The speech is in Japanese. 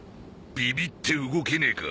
ビビって動けねえか？